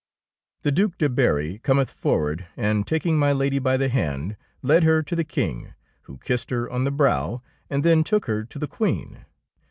The Due de Berry cometh forward and, taking my Lady by the hand, led her to the King, who kissed her on the brow, and then took her to the Queen.